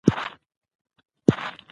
د مېلو له لاري ځوانان نوي مهارتونه زده کوي.